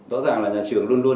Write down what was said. rõ ràng là nhà trường luôn luôn